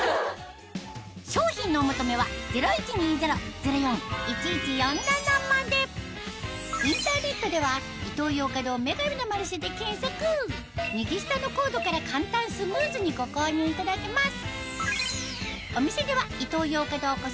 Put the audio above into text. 商品のお求めはインターネットでは右下のコードから簡単スムーズにご購入いただけます